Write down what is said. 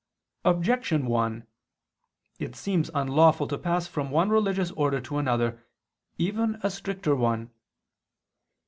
Objection 1: It seems unlawful to pass from one religious order to another, even a stricter one.